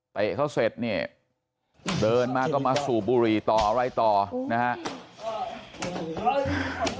เขาเสร็จเนี่ยเดินมาก็มาสูบบุหรี่ต่ออะไรต่อนะครับ